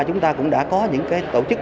chúng ta cũng đã có những cái tổ chức